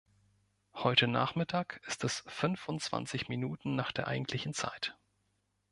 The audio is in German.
Heute Nachmittag ist es fünfundzwanzig Minuten nach der eigentlichen Zeit.